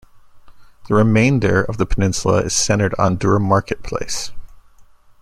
The remainder of the peninsula is centred on Durham Market Place.